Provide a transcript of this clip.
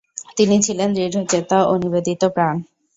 তিনি ছিলেন দৃঢ়চেতা ও নিবেদিতপ্রাণ।